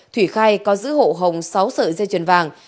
thủy khai có giữ hộ hồng sáu sợi dây chuyền vàng